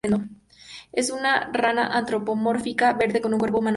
Es una rana antropomórfica verde con un cuerpo humanoide.